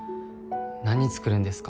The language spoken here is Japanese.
何作るんですか？